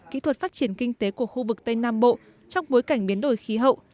kỹ thuật phát triển kinh tế của khu vực tây nam bộ trong bối cảnh biến đổi khí hậu